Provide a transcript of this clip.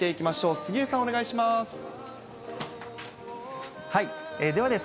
杉江さん、お願いします。